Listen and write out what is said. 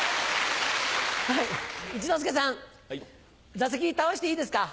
座席倒していいですか？